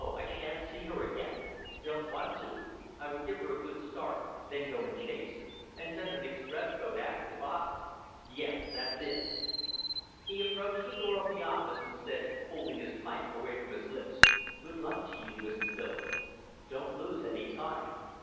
I sha'n't see her again. Don't want to. I will give her a good start, then go in chase and send an express boat after father. Yes! that's it. He approached the door of the office and said, holding his pipe away from his lips "Good luck to you, Mrs. Willems. Don't lose any time.